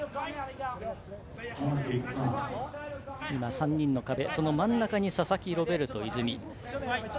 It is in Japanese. ３人の壁の真ん中に佐々木ロベルト泉。